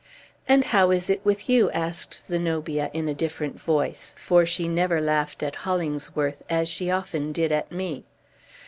"And how is it with you?" asked Zenobia, in a different voice; for she never laughed at Hollingsworth, as she often did at me.